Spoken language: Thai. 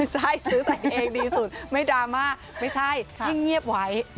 ใช่ซื้อใส่เองดีสุดไม่ดราม่าไม่ใช่ที่เงียบไว้